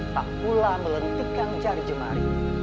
tak pula melantikkan jari jemari